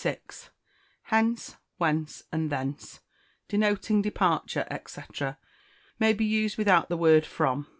Hence, whence, and thence, denoting departure, &c., may be used without the word from.